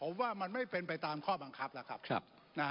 ผมว่ามันไม่เป็นไปตามข้อบังคับแล้วครับ